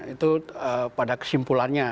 itu pada kesimpulannya